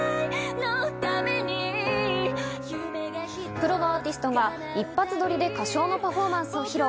プロのアーティストが一発撮りで歌唱のパフォーマンスを披露。